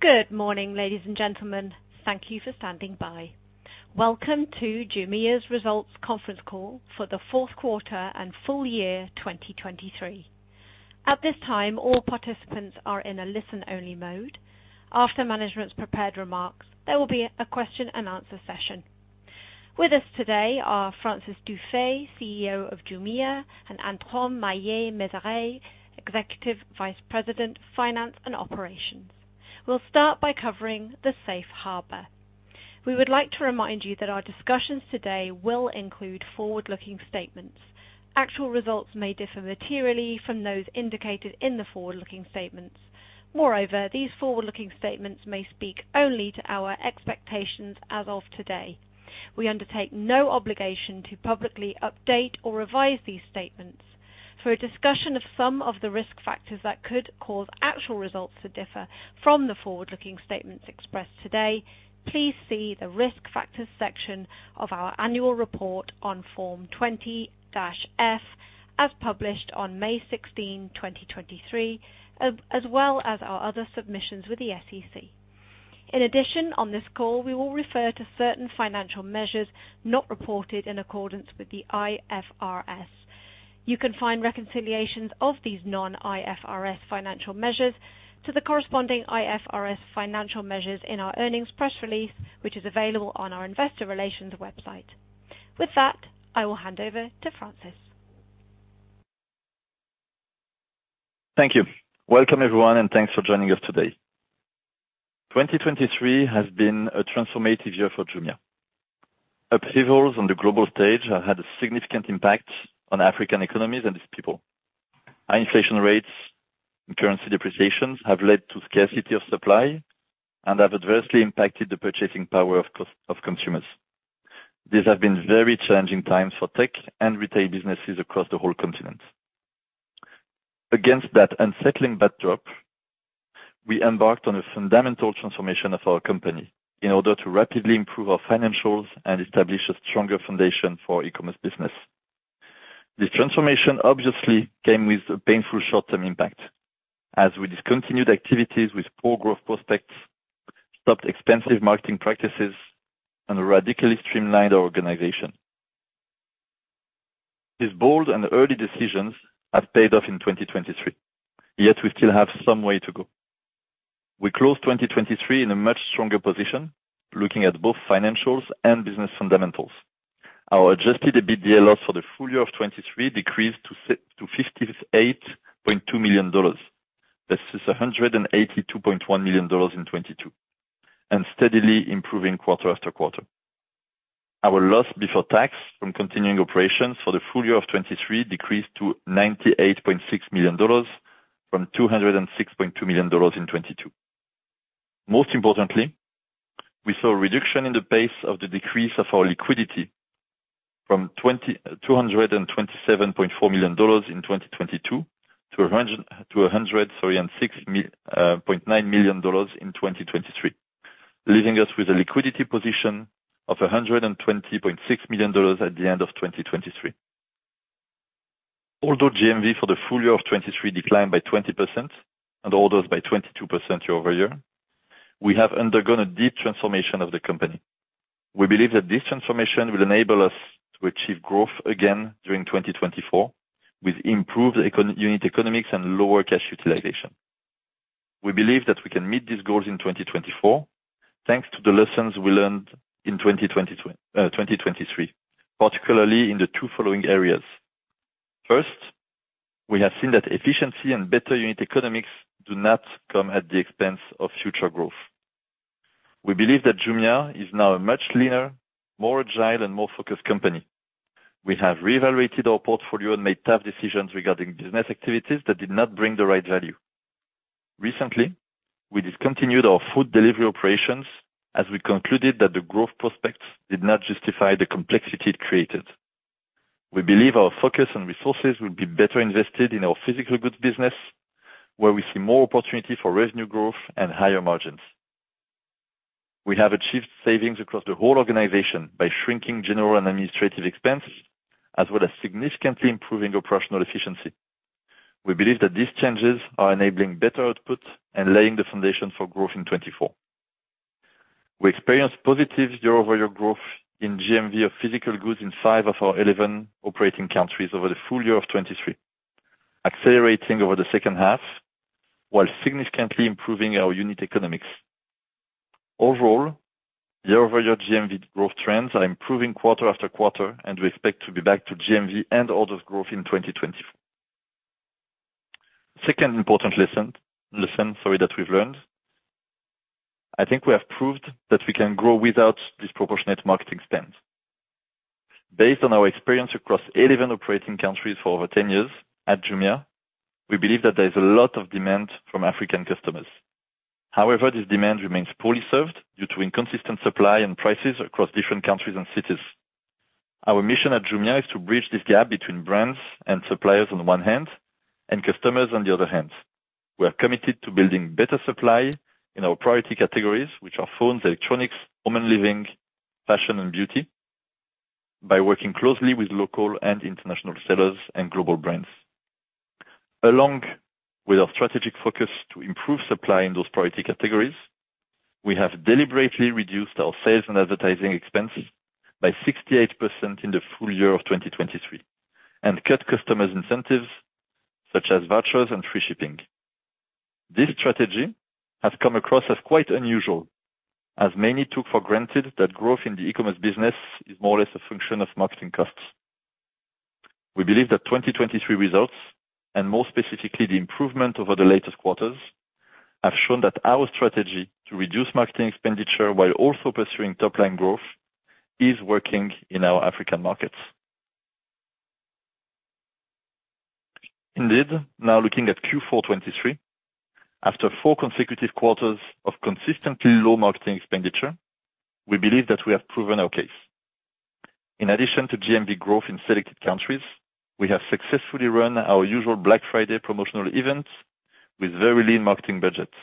Good morning, ladies and gentlemen. Thank you for standing by. Welcome to Jumia's Results Conference Call for the Q4 and Full Year 2023. At this time, all participants are in a listen-only mode. After management's prepared remarks, there will be a Q&A session. With us today are Francis Dufay, CEO of Jumia, and Antoine Maillet-Mezeray, Executive Vice President, Finance and Operations. We'll start by covering the Safe Harbor. We would like to remind you that our discussions today will include forward-looking statements. Actual results may differ materially from those indicated in the forward-looking statements. Moreover, these forward-looking statements may speak only to our expectations as of today. We undertake no obligation to publicly update or revise these statements. For a discussion of some of the risk factors that could cause actual results to differ from the forward-looking statements expressed today, please see the risk factors section of our annual report on Form 20-F as published on 16 May 2023, as well as our other submissions with the SEC. In addition, on this call, we will refer to certain financial measures not reported in accordance with the IFRS. You can find reconciliations of these non-IFRS financial measures to the corresponding IFRS financial measures in our earnings press release, which is available on our investor relations website. With that, I will hand over to Francis. Thank you. Welcome, everyone, and thanks for joining us today. 2023 has been a transformative year for Jumia. Upheavals on the global stage have had a significant impact on African economies and its people. High inflation rates and currency depreciations have led to scarcity of supply and have adversely impacted the purchasing power of consumers. These have been very challenging times for tech and retail businesses across the whole continent. Against that unsettling backdrop, we embarked on a fundamental transformation of our company in order to rapidly improve our financials and establish a stronger foundation for e-commerce business. This transformation obviously came with a painful short-term impact as we discontinued activities with poor growth prospects, stopped expensive marketing practices, and radically streamlined our organization. These bold and early decisions have paid off in 2023, yet we still have some way to go. We closed 2023 in a much stronger position, looking at both financials and business fundamentals. Our Adjusted EBITDA loss for the full year of 2023 decreased to $58.2 million versus $182.1 million in 2022, and steadily improving quarter-after-quarter. Our loss before tax from continuing operations for the full year of 2023 decreased to $98.6 million from $206.2 million in 2022. Most importantly, we saw a reduction in the pace of the decrease of our liquidity from $227.4 million in 2022 to $106.9 million in 2023, leaving us with a liquidity position of $120.6 million at the end of 2023. Although GMV for the full year of 2023 declined by 20% and others by 22% year-over-year, we have undergone a deep transformation of the company. We believe that this transformation will enable us to achieve growth again during 2024 with improved unit economics and lower cash utilization. We believe that we can meet these goals in 2024 thanks to the lessons we learned in 2023, particularly in the two following areas. First, we have seen that efficiency and better unit economics do not come at the expense of future growth. We believe that Jumia is now a much leaner, more agile, and more focused company. We have reevaluated our portfolio and made tough decisions regarding business activities that did not bring the right value. Recently, we discontinued our food delivery operations as we concluded that the growth prospects did not justify the complexity it created. We believe our focus and resources will be better invested in our physical goods business, where we see more opportunity for revenue growth and higher margins. We have achieved savings across the whole organization by shrinking general and administrative expenses as well as significantly improving operational efficiency. We believe that these changes are enabling better output and laying the foundation for growth in 2024. We experienced positive year-over-year growth in GMV of physical goods in five of our 11 operating countries over the full year of 2023, accelerating over the H2 while significantly improving our unit economics. Overall, year-over-year GMV growth trends are improving quarter- after-quarter, and we expect to be back to GMV and others' growth in 2024. Second important lesson that we've learned: I think we have proved that we can grow without disproportionate marketing spend. Based on our experience across 11 operating countries for over 10 years at Jumia, we believe that there is a lot of demand from African customers. However, this demand remains poorly served due to inconsistent supply and prices across different countries and cities. Our mission at Jumia is to bridge this gap between brands and suppliers on one hand and customers on the other hand. We are committed to building better supply in our priority categories, which are phones, electronics, home and living, fashion, and beauty, by working closely with local and international sellers and global brands. Along with our strategic focus to improve supply in those priority categories, we have deliberately reduced our sales and advertising expense by 68% in the full year of 2023 and cut customers' incentives such as vouchers and free shipping. This strategy has come across as quite unusual, as many took for granted that growth in the e-commerce business is more or less a function of marketing costs. We believe that 2023 results, and more specifically the improvement over the latest quarters, have shown that our strategy to reduce marketing expenditure while also pursuing top-line growth is working in our African markets. Indeed, now looking at Q4 2023, after four consecutive quarters of consistently low marketing expenditure, we believe that we have proven our case. In addition to GMV growth in selected countries, we have successfully run our usual Black Friday promotional events with very lean marketing budgets.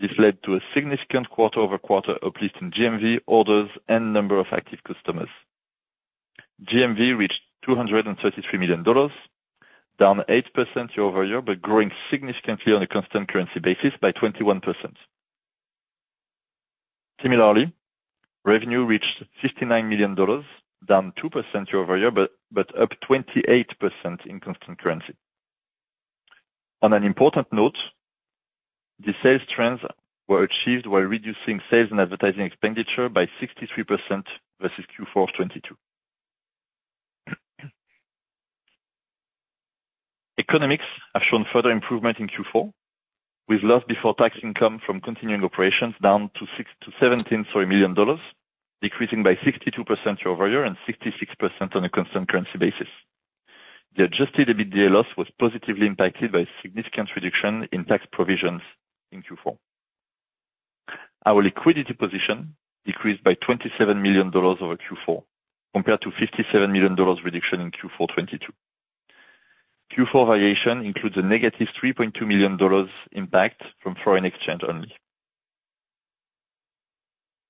This led to a significant quarter-over-quarter uplift in GMV orders and number of active customers. GMV reached $233 million, down 8% year-over-year but growing significantly on a Constant Currency basis by 21%. Similarly, revenue reached $59 million, down 2% year-over-year but up 28% in Constant Currency. On an important note, these sales trends were achieved while reducing sales and advertising expenditure by 63% versus Q4 of 2022. Economics have shown further improvement in Q4, with loss before tax income from continuing operations down to $17 million, decreasing by 62% year-over-year and 66% on a Constant Currency basis. The Adjusted EBITDA loss was positively impacted by a significant reduction in tax provisions in Q4. Our liquidity position decreased by $27 million over Q4 compared to $57 million reduction in Q4 2022. Q4 variation includes a negative $3.2 million impact from foreign exchange only.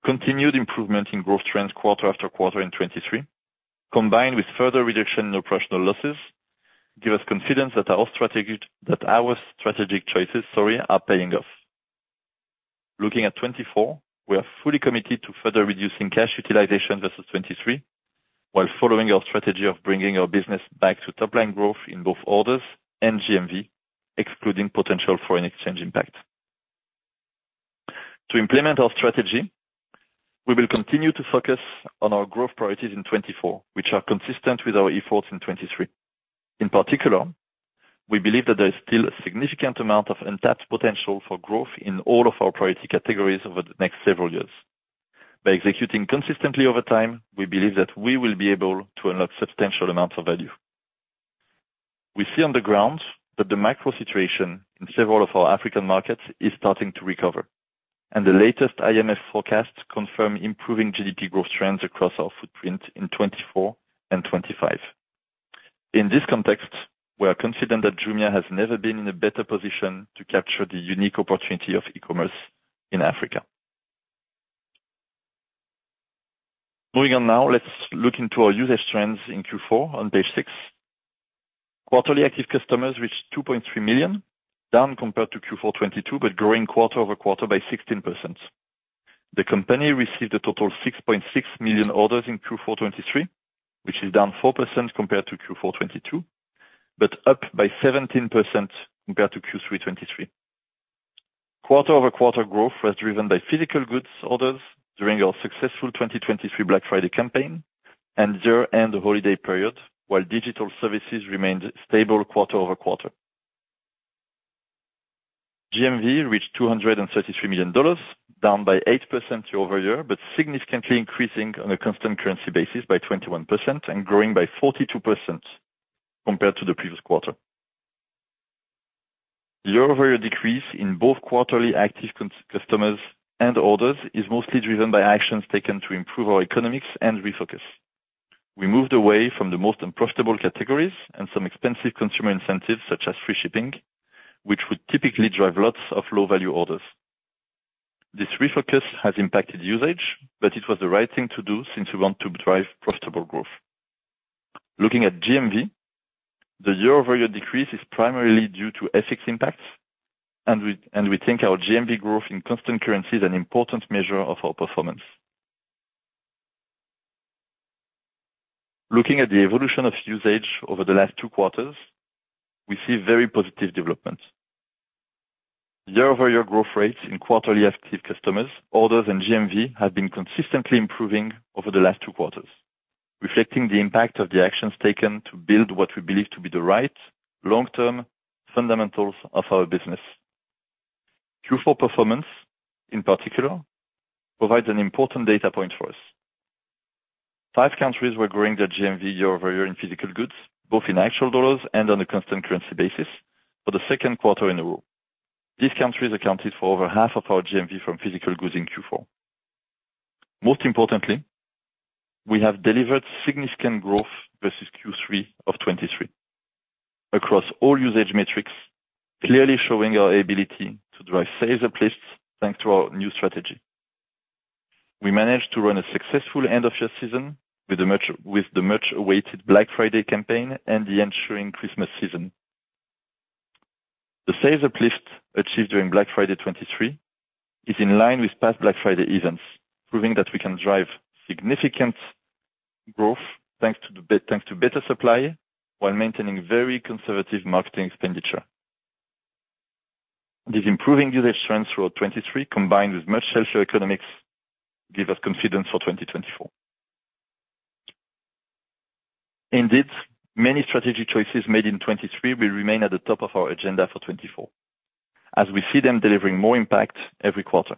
Continued improvement in growth trends quarter-after-quarter in 2023, combined with further reduction in operational losses, gives us confidence that our strategic choices are paying off. Looking at 2024, we are fully committed to further reducing cash utilization versus 2023 while following our strategy of bringing our business back to top-line growth in both orders and GMV, excluding potential foreign exchange impact. To implement our strategy, we will continue to focus on our growth priorities in 2024, which are consistent with our efforts in 2023. In particular, we believe that there is still a significant amount of untapped potential for growth in all of our priority categories over the next several years. By executing consistently over time, we believe that we will be able to unlock substantial amounts of value. We see on the ground that the macro situation in several of our African markets is starting to recover, and the latest IMF forecasts confirm improving GDP growth trends across our footprint in 2024 and 2025. In this context, we are confident that Jumia has never been in a better position to capture the unique opportunity of e-commerce in Africa. Moving on now, let's look into our usage trends in Q4 on page six. Quarterly active customers reached 2.3 million, down compared to Q4 2022 but growing quarter-over-quarter by 16%. The company received a total of 6.6 million orders in Q4 2023, which is down 4% compared to Q4 2022 but up by 17% compared to Q3 2023. Quarter-over-quarter growth was driven by physical goods orders during our successful 2023 Black Friday campaign and year-end holiday period, while digital services remained stable quarter-over-quarter. GMV reached $233 million, down by 8% year-over-year but significantly increasing on a constant currency basis by 21% and growing by 42% compared to the previous quarter. Year-over-year decrease in both quarterly active customers and orders is mostly driven by actions taken to improve our economics and refocus. We moved away from the most unprofitable categories and some expensive consumer incentives such as free shipping, which would typically drive lots of low-value orders. This refocus has impacted usage, but it was the right thing to do since we want to drive profitable growth. Looking at GMV, the year-over-year decrease is primarily due to FX impacts, and we think our GMV growth in constant currency is an important measure of our performance. Looking at the evolution of usage over the last two quarters, we see very positive development. Year-over-year growth rates in quarterly active customers, orders, and GMV have been consistently improving over the last two quarters, reflecting the impact of the actions taken to build what we believe to be the right long-term fundamentals of our business. Q4 performance, in particular, provides an important data point for us. Five countries were growing their GMV year-over-year in physical goods, both in actual dollars and on a constant currency basis, for the Q2 in a row. These countries accounted for over half of our GMV from physical goods in Q4. Most importantly, we have delivered significant growth versus Q3 of 2023 across all usage metrics, clearly showing our ability to drive sales uplifts thanks to our new strategy. We managed to run a successful end-of-year season with the much-awaited Black Friday campaign and the ensuing Christmas season. The sales uplift achieved during Black Friday 2023 is in line with past Black Friday events, proving that we can drive significant growth thanks to better supply while maintaining very conservative marketing expenditure. These improving usage trends throughout 2023, combined with much healthier economics, give us confidence for 2024. Indeed, many strategy choices made in 2023 will remain at the top of our agenda for 2024, as we see them delivering more impact every quarter.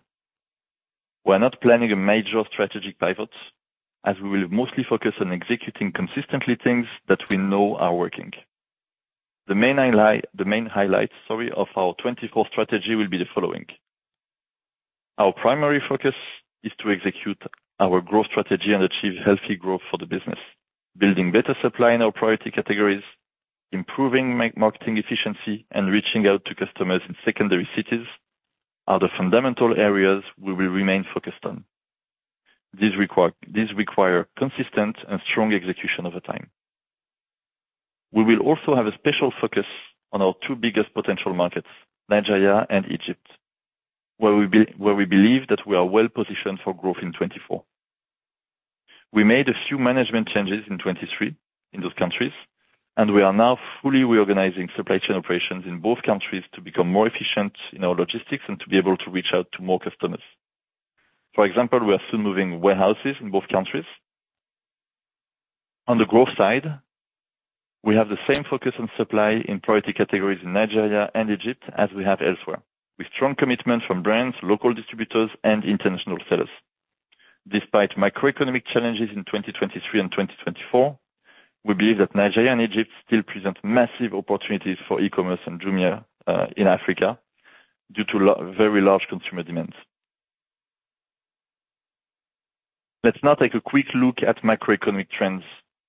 We are not planning a major strategic pivot, as we will mostly focus on executing consistently things that we know are working. The main highlight of our 2024 strategy will be the following: our primary focus is to execute our growth strategy and achieve healthy growth for the business. Building better supply in our priority categories, improving marketing efficiency, and reaching out to customers in secondary cities are the fundamental areas we will remain focused on. These require consistent and strong execution over time. We will also have a special focus on our two biggest potential markets, Nigeria and Egypt, where we believe that we are well positioned for growth in 2024. We made a few management changes in 2023 in those countries, and we are now fully reorganizing supply chain operations in both countries to become more efficient in our logistics and to be able to reach out to more customers. For example, we are soon moving warehouses in both countries. On the growth side, we have the same focus on supply in priority categories in Nigeria and Egypt as we have elsewhere, with strong commitment from brands, local distributors, and international sellers. Despite macroeconomic challenges in 2023 and 2024, we believe that Nigeria and Egypt still present massive opportunities for e-commerce and Jumia in Africa due to very large consumer demands. Let's now take a quick look at macroeconomic trends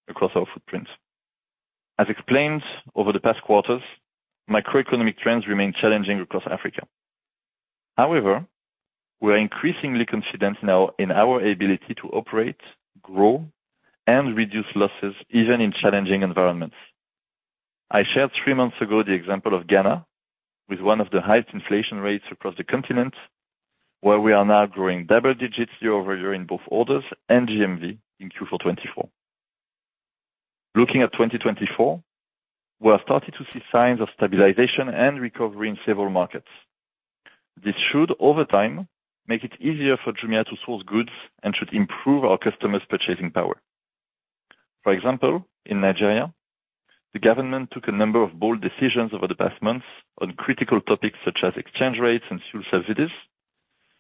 across our footprint. As explained over the past quarters, macroeconomic trends remain challenging across Africa. However, we are increasingly confident in our ability to operate, grow, and reduce losses even in challenging environments. I shared three months ago the example of Ghana with one of the highest inflation rates across the continent, where we are now growing double digits year-over-year in both orders and GMV in Q4 2024. Looking at 2024, we have started to see signs of stabilization and recovery in several markets. This should, over time, make it easier for Jumia to source goods and should improve our customers' purchasing power. For example, in Nigeria, the government took a number of bold decisions over the past months on critical topics such as exchange rates and fuel subsidies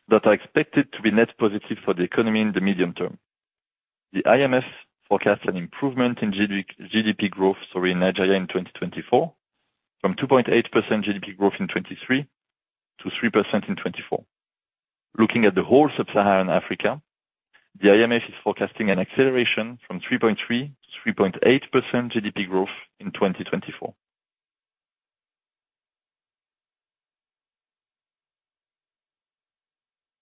that are expected to be net positive for the economy in the medium term. The IMF forecasts an improvement in GDP growth in Nigeria in 2024 from 2.8% GDP growth in 2023 to 3% in 2024. Looking at the whole Sub-Saharan Africa, the IMF is forecasting an acceleration from 3.3% to 3.8% GDP growth in 2024.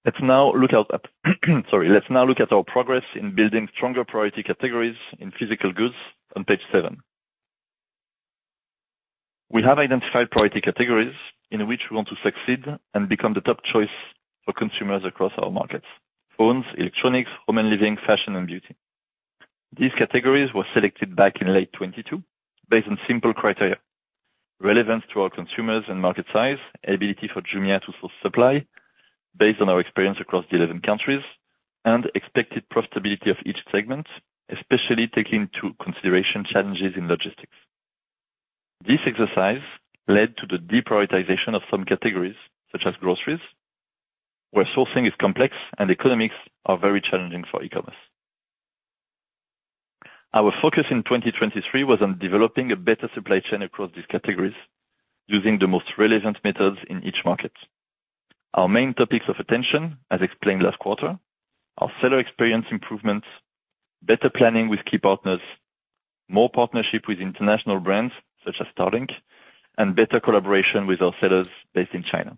Let's now look at our progress in building stronger priority categories in physical goods on page seven. We have identified priority categories in which we want to succeed and become the top choice for consumers across our markets: phones, electronics, home and living, fashion, and beauty. These categories were selected back in late 2022 based on simple criteria: relevance to our consumers and market size, ability for Jumia to source supply based on our experience across the 11 countries, and expected profitability of each segment, especially taking into consideration challenges in logistics. This exercise led to the deprioritization of some categories such as groceries, where sourcing is complex and economics are very challenging for e-commerce. Our focus in 2023 was on developing a better supply chain across these categories using the most relevant methods in each market. Our main topics of attention, as explained last quarter: our seller experience improvements, better planning with key partners, more partnership with international brands such as Starlink, and better collaboration with our sellers based in China.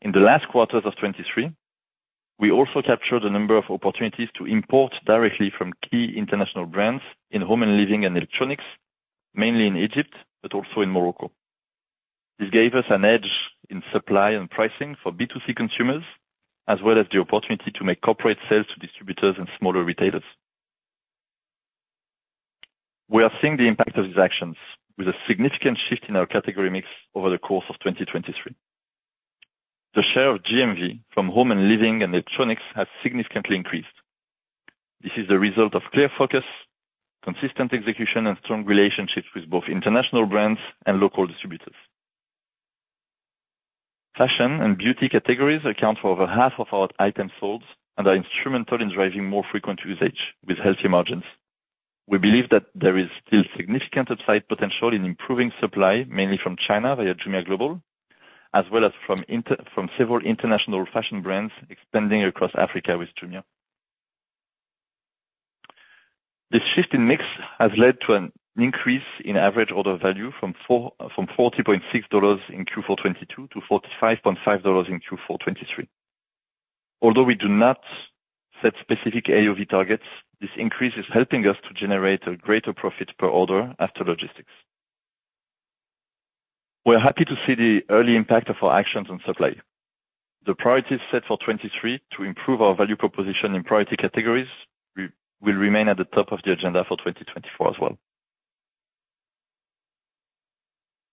In the last quarters of 2023, we also captured a number of opportunities to import directly from key international brands in home and living and electronics, mainly in Egypt but also in Morocco. This gave us an edge in supply and pricing for B2C consumers as well as the opportunity to make corporate sales to distributors and smaller retailers. We are seeing the impact of these actions with a significant shift in our category mix over the course of 2023. The share of GMV from home and living and electronics has significantly increased. This is the result of clear focus, consistent execution, and strong relationships with both international brands and local distributors. Fashion and beauty categories account for over half of our items sold and are instrumental in driving more frequent usage with healthy margins. We believe that there is still significant upside potential in improving supply, mainly from China via Jumia Global, as well as from several international fashion brands expanding across Africa with Jumia. This shift in mix has led to an increase in average order value from $40.6 in Q4 2022 to $45.5 in Q4 2023. Although we do not set specific AOV targets, this increase is helping us to generate a greater profit per order after logistics. We are happy to see the early impact of our actions on supply. The priorities set for 2023 to improve our value proposition in priority categories will remain at the top of the agenda for 2024 as well.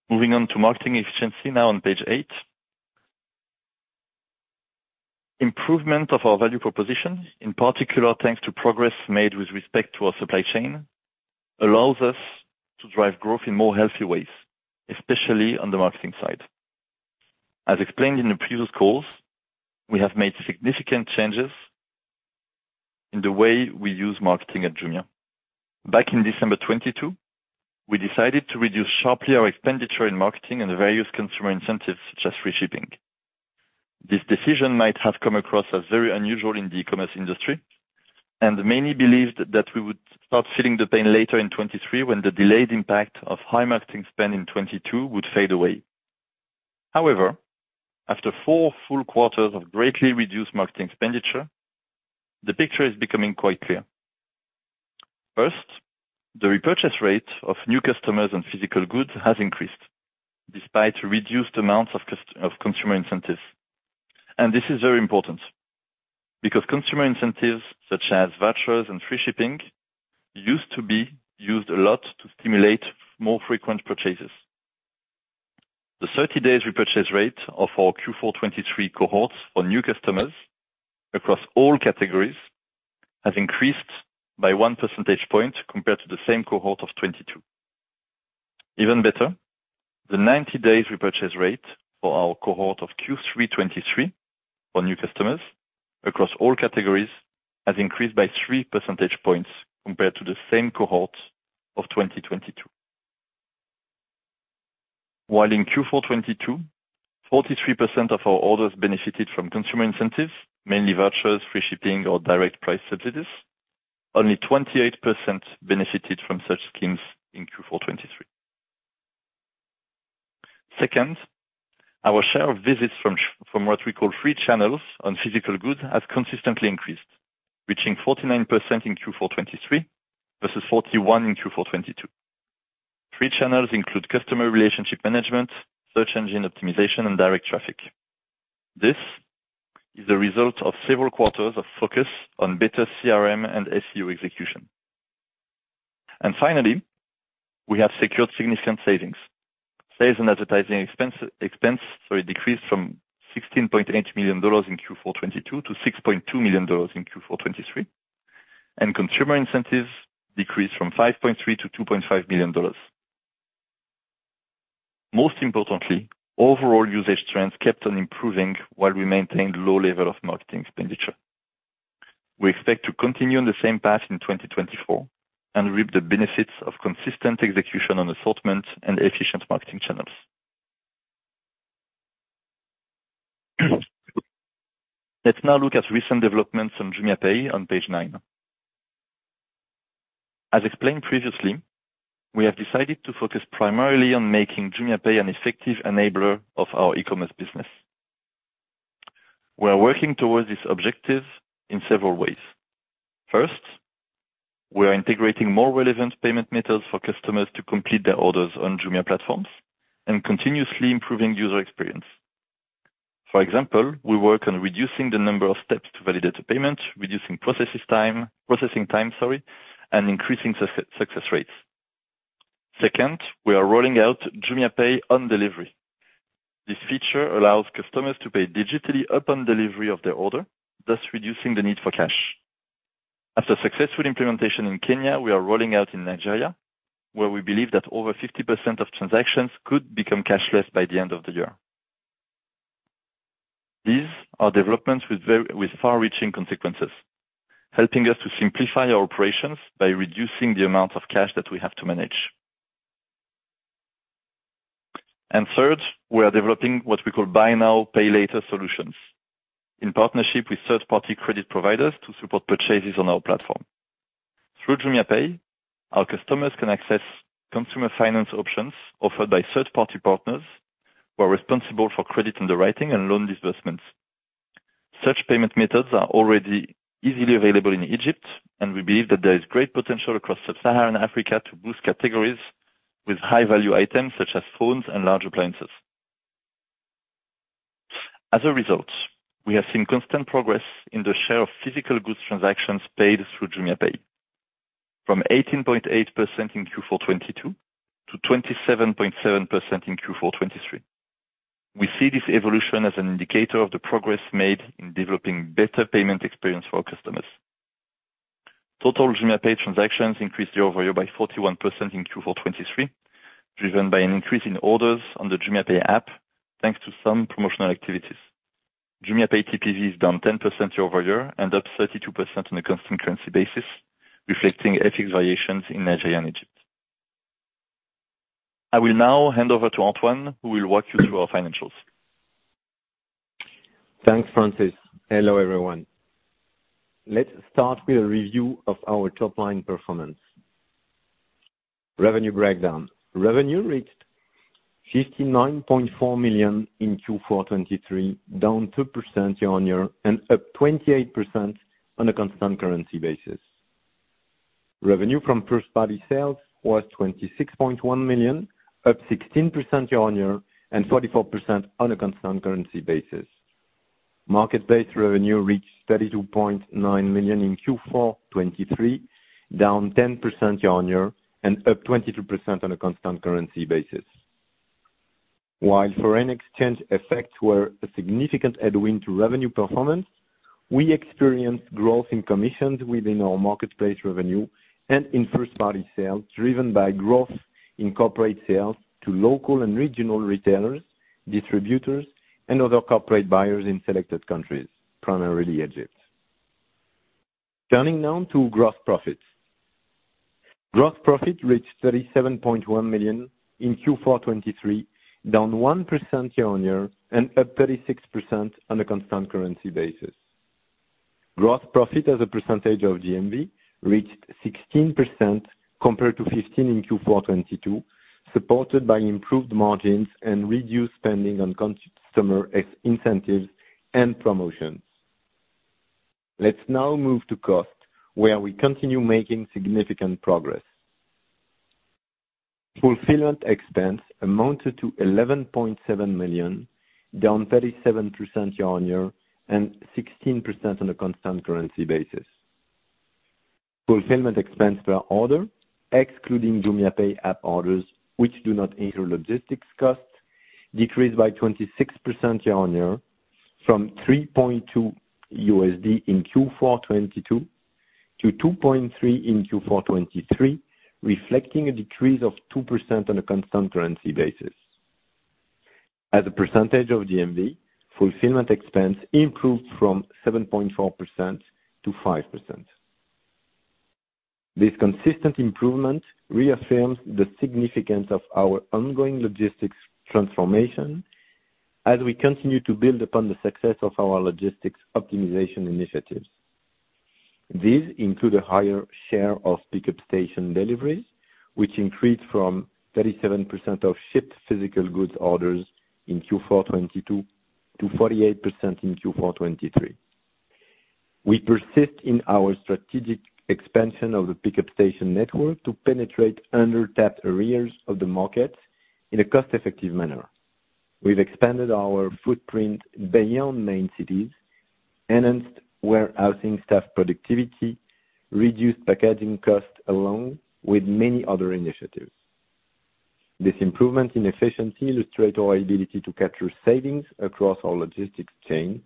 Moving on to marketing efficiency, now on page eight. Improvement of our value proposition, in particular thanks to progress made with respect to our supply chain, allows us to drive growth in more healthy ways, especially on the marketing side. As explained in the previous calls, we have made significant changes in the way we use marketing at Jumia. Back in December 2022, we decided to reduce sharply our expenditure in marketing and various consumer incentives such as free shipping. This decision might have come across as very unusual in the e-commerce industry, and many believed that we would start feeling the pain later in 2023 when the delayed impact of high marketing spend in 2022 would fade away. However, after four full quarters of greatly reduced marketing expenditure, the picture is becoming quite clear. First, the repurchase rate of new customers and physical goods has increased despite reduced amounts of consumer incentives. And this is very important because consumer incentives such as vouchers and free shipping used to be used a lot to stimulate more frequent purchases. The 30-day repurchase rate of our Q4 2023 cohort for new customers across all categories has increased by one percentage point compared to the same cohort of 2022. Even better, the 90-day repurchase rate for our cohort of Q3 2023 for new customers across all categories has increased by three percentage points compared to the same cohort of 2022. While in Q4 2022, 43% of our orders benefited from consumer incentives, mainly vouchers, free shipping, or direct price subsidies, only 28% benefited from such schemes in Q4 2023. Second, our share of visits from what we call free channels on physical goods has consistently increased, reaching 49% in Q4 2023 versus 41% in Q4 2022. Free channels include customer relationship management, search engine optimization, and direct traffic. This is the result of several quarters of focus on better CRM and SEO execution. Finally, we have secured significant savings. Sales and advertising expense decreased from $16.8 million in Q4 2022 to $6.2 million in Q4 2023, and consumer incentives decreased from $5.3 million to $2.5 million. Most importantly, overall usage trends kept on improving while we maintained low levels of marketing expenditure. We expect to continue on the same path in 2024 and reap the benefits of consistent execution on assortment and efficient marketing channels. Let's now look at recent developments on JumiaPay on page nine. As explained previously, we have decided to focus primarily on making JumiaPay an effective enabler of our e-commerce business. We are working towards this objective in several ways. First, we are integrating more relevant payment methods for customers to complete their orders on Jumia platforms and continuously improving user experience. For example, we work on reducing the number of steps to validate a payment, reducing processing time, sorry, and increasing success rates. Second, we are rolling out JumiaPay on delivery. This feature allows customers to pay digitally upon delivery of their order, thus reducing the need for cash. After successful implementation in Kenya, we are rolling out in Nigeria, where we believe that over 50% of transactions could become cashless by the end of the year. These are developments with far-reaching consequences, helping us to simplify our operations by reducing the amount of cash that we have to manage. And third, we are developing what we call buy now, pay later solutions in partnership with third-party credit providers to support purchases on our platform. Through JumiaPay, our customers can access consumer finance options offered by third-party partners who are responsible for credit underwriting and loan disbursements. Such payment methods are already easily available in Egypt, and we believe that there is great potential across sub-Saharan Africa to boost categories with high-value items such as phones and large appliances. As a result, we have seen constant progress in the share of physical goods transactions paid through JumiaPay, from 18.8% in Q4 2022 to 27.7% in Q4 2023. We see this evolution as an indicator of the progress made in developing better payment experience for our customers. Total JumiaPay transactions increased year-over-year by 41% in Q4 2023, driven by an increase in orders on the JumiaPay app thanks to some promotional activities. JumiaPay TPV is down 10% year-over-year and up 32% on a constant currency basis, reflecting FX variations in Nigeria and Egypt. I will now hand over to Antoine, who will walk you through our financials. Thanks, Francis. Hello, everyone. Let's start with a review of our top-line performance. Revenue breakdown: revenue reached $59.4 million in Q4 2023, down 2% year-over-year and up 28% on a constant currency basis. Revenue from first-party sales was $26.1 million, up 16% year-over-year and 44% on a constant currency basis. Marketplace revenue reached $32.9 million in Q4 2023, down 10% year-over-year and up 22% on a constant currency basis. While foreign exchange effects were a significant headwind to revenue performance, we experienced growth in commissions within our marketplace revenue and in first-party sales driven by growth in corporate sales to local and regional retailers, distributors, and other corporate buyers in selected countries, primarily Egypt. Turning now to gross profit. Gross profit reached $37.1 million in Q4 2023, down 1% year-over-year and up 36% on a constant currency basis. Gross profit as a percentage of GMV reached 16% compared to 15% in Q4 2022, supported by improved margins and reduced spending on customer incentives and promotions. Let's now move to cost, where we continue making significant progress. Fulfillment expense amounted to $11.7 million, down 37% year-on-year and 16% on a constant currency basis. Fulfillment expense per order, excluding Jumia Pay app orders, which do not enter logistics costs, decreased by 26% year-on-year from $3.2 in Q4 2022 to $2.3 in Q4 2023, reflecting a decrease of 2% on a constant currency basis. As a percentage of GMV, fulfillment expense improved from 7.4% to 5%. This consistent improvement reaffirms the significance of our ongoing logistics transformation as we continue to build upon the success of our logistics optimization initiatives. These include a higher share of pickup station deliveries, which increased from 37% of shipped physical goods orders in Q4 2022 to 48% in Q4 2023. We persist in our strategic expansion of the pickup station network to penetrate undertapped areas of the market in a cost-effective manner. We've expanded our footprint beyond main cities, enhanced warehousing staff productivity, reduced packaging costs, along with many other initiatives. This improvement in efficiency illustrates our ability to capture savings across our logistics chain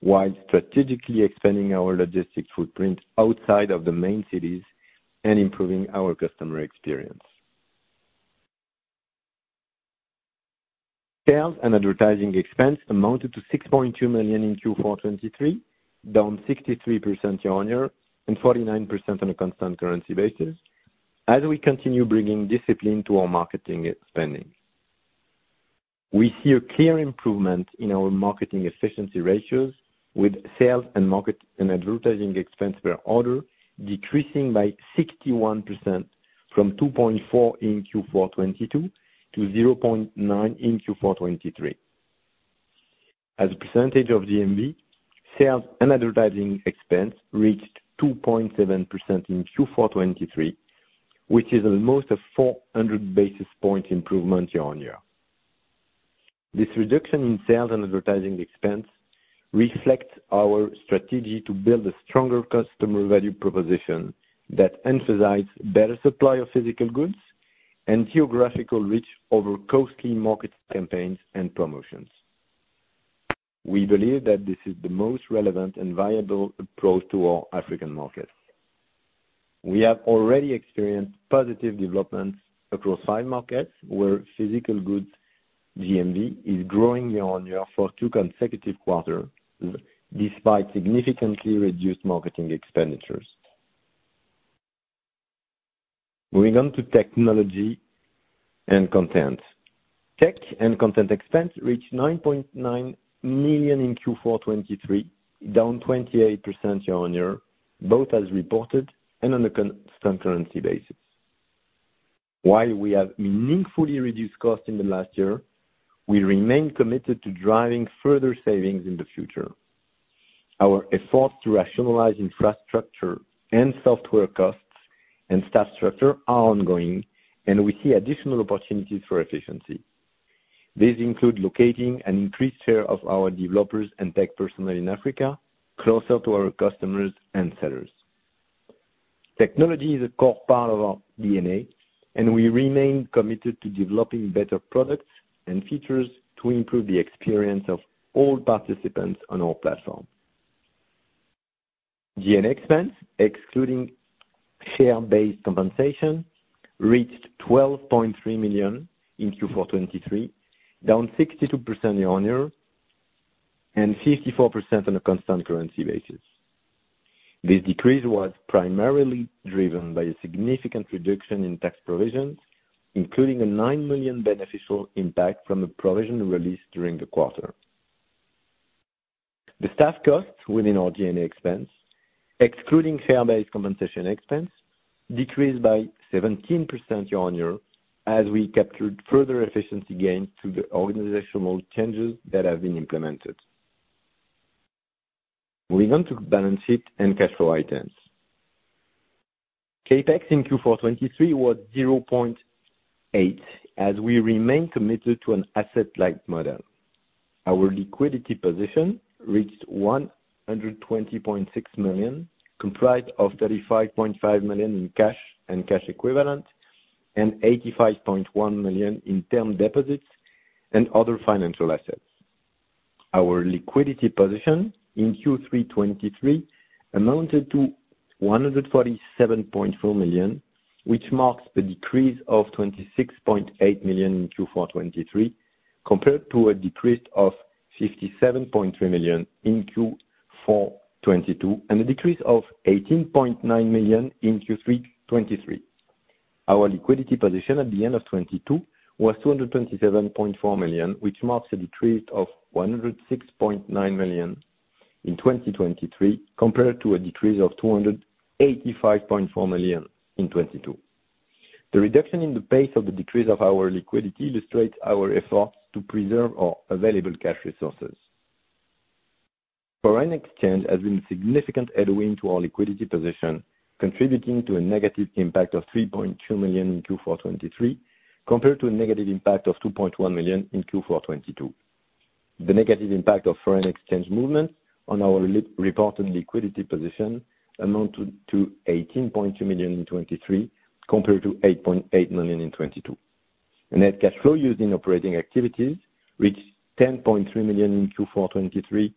while strategically expanding our logistics footprint outside of the main cities and improving our customer experience. Sales and advertising expense amounted to $6.2 million in Q4 2023, down 63% year-on-year and 49% on a constant currency basis as we continue bringing discipline to our marketing spending. We see a clear improvement in our marketing efficiency ratios, with sales and advertising expense per order decreasing by 61% from 2.4 in Q4 2022 to 0.9 in Q4 2023. As a percentage of GMV, sales and advertising expense reached 2.7% in Q4 2023, which is almost a 400 basis points improvement year-on-year. This reduction in sales and advertising expense reflects our strategy to build a stronger customer value proposition that emphasizes better supply of physical goods and geographical reach over costly marketing campaigns and promotions. We believe that this is the most relevant and viable approach to our African market. We have already experienced positive developments across five markets where physical goods GMV is growing year-over-year for two consecutive quarters despite significantly reduced marketing expenditures. Moving on to technology and content. Tech and content expense reached $9.9 million in Q4 2023, down 28% year-over-year, both as reported and on a constant currency basis. While we have meaningfully reduced costs in the last year, we remain committed to driving further savings in the future. Our efforts to rationalize infrastructure and software costs and staff structure are ongoing, and we see additional opportunities for efficiency. These include locating an increased share of our developers and tech personnel in Africa closer to our customers and sellers. Technology is a core part of our DNA, and we remain committed to developing better products and features to improve the experience of all participants on our platform. G&A expense, excluding share-based compensation, reached $12.3 million in Q4 2023, down 62% year-on-year and 54% on a constant currency basis. This decrease was primarily driven by a significant reduction in tax provisions, including a $9 million beneficial impact from a provision released during the quarter. The staff costs within our G&A expense, excluding share-based compensation expense, decreased by 17% year-on-year as we captured further efficiency gains through the organizational changes that have been implemented. Moving on to balance sheet and cash flow items. Capex in Q4 2023 was $0.8 million as we remain committed to an asset-light model. Our liquidity position reached $120.6 million, comprised of $35.5 million in cash and cash equivalents and $85.1 million in term deposits and other financial assets. Our liquidity position in Q3 2023 amounted to $147.4 million, which marks a decrease of $26.8 million in Q4 2023 compared to a decrease of $57.3 million in Q4 2022 and a decrease of $18.9 million in Q3 2023. Our liquidity position at the end of 2022 was $227.4 million, which marks a decrease of $106.9 million in 2023 compared to a decrease of $285.4 million in 2022. The reduction in the pace of the decrease of our liquidity illustrates our efforts to preserve our available cash resources. Foreign exchange has been a significant headwind to our liquidity position, contributing to a negative impact of $3.2 million in Q4 2023 compared to a negative impact of $2.1 million in Q4 2022. The negative impact of foreign exchange movements on our reported liquidity position amounted to $18.2 million in 2023 compared to $8.8 million in 2022. Net cash flow used in operating activities reached $10.3 million in Q4 2023,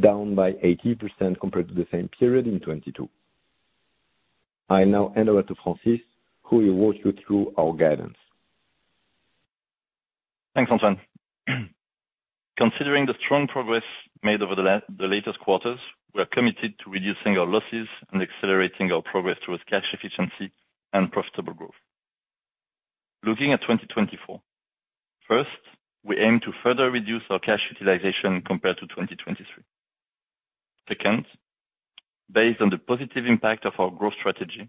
down by 80% compared to the same period in 2022. I'll now hand over to Francis, who will walk you through our guidance. Thanks, Antoine. Considering the strong progress made over the latest quarters, we are committed to reducing our losses and accelerating our progress towards cash efficiency and profitable growth. Looking at 2024, first, we aim to further reduce our cash utilization compared to 2023. Second, based on the positive impact of our growth strategy,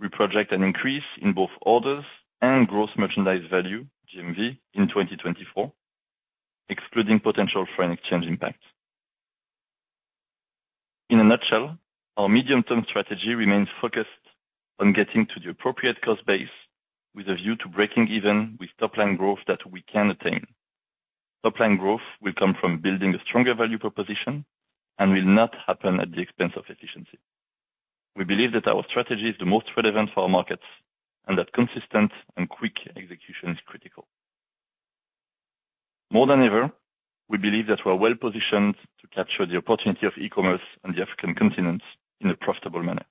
we project an increase in both orders and gross merchandise value, GMV, in 2024, excluding potential foreign exchange impacts. In a nutshell, our medium-term strategy remains focused on getting to the appropriate cost base with a view to breaking even with top-line growth that we can attain. Top-line growth will come from building a stronger value proposition and will not happen at the expense of efficiency. We believe that our strategy is the most relevant for our markets and that consistent and quick execution is critical. More than ever, we believe that we are well positioned to capture the opportunity of e-commerce on the African continent in a profitable manner.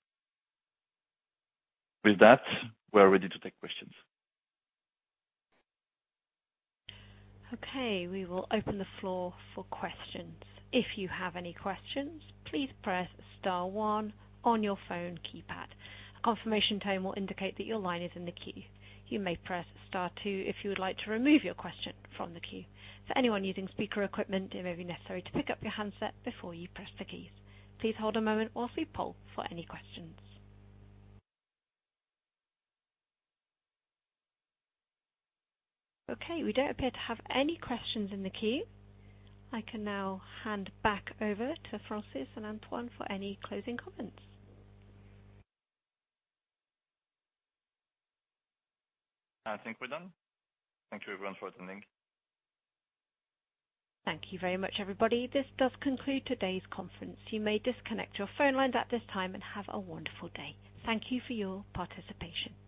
With that, we are ready to take questions. Okay. We will open the floor for questions. If you have any questions, please press star one on your phone keypad. A confirmation tone will indicate that your line is in the queue. You may press star two if you would like to remove your question from the queue. For anyone using speaker equipment, it may be necessary to pick up your handset before you press the keys. Please hold a moment while we poll for any questions. Okay. We don't appear to have any questions in the queue. I can now hand back over to Francis and Antoine for any closing comments. I think we're done. Thank you, everyone, for attending. Thank you very much, everybody. This does conclude today's conference. You may disconnect your phone lines at this time and have a wonderful day. Thank you for your participation.